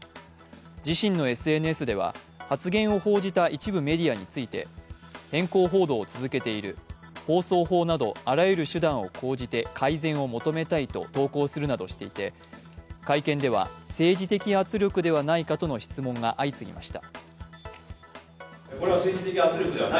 自身のＳＮＳでは、発言を報じた一部メディアについて偏向報道を続けている放送法などあらゆる手段を講じて改善を求めたいと投稿するなどしていて、会見では政治的圧力ではないかとの質問が相次ぎました。